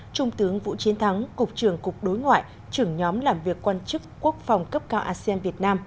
trung tướng vũ chiến thắng cục trưởng cục đối ngoại trưởng nhóm làm việc quan chức quốc phòng cấp cao asean việt nam